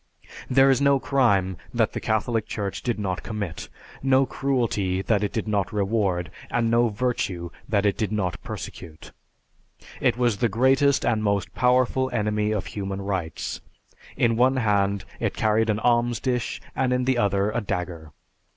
There is no crime that the Catholic Church did not commit, no cruelty that it did not reward, and no virtue that it did not persecute. It was the greatest and most powerful enemy of human rights. In one hand, it carried an alms dish, and in the other, a dagger.